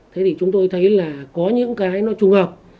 thế thì chúng tôi thấy là có những cái nó trùng hợp